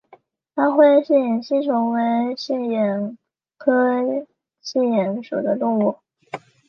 安徽嗜眼吸虫为嗜眼科嗜眼属的动物。